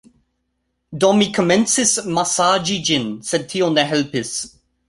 Do, mi komencis masaĝi ĝin sed tio ne helpis